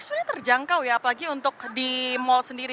sebenarnya terjangkau ya apalagi untuk di mal sendiri